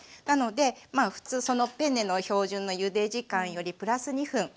なのでペンネの標準のゆで時間よりプラス２分。